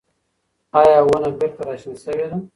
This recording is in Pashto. ایا ونه بېرته راشنه شوې ده؟